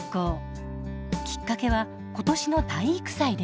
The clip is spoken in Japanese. きっかけは今年の体育祭でした。